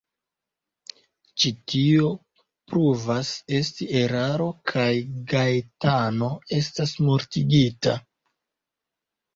Ĉi tio pruvas esti eraro, kaj Gaetano estas mortigita.